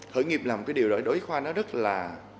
khởi nghiệp là một cái điều đó đối với khoa nó rất là